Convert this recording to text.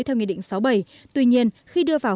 theo nghị định sáu mươi bảy tuy nhiên khi đưa vào